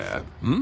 ん？